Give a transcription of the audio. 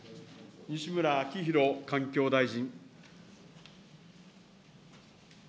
西村明宏環境大臣。